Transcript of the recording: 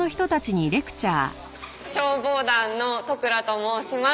消防団の十倉と申します。